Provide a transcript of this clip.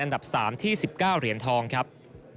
อันดับ๓ที่๑๙เหรียญทองครับ